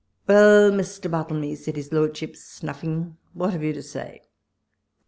"Well, Mr. Bartlemy," said his lord ship, snuffing, "what have you to say?"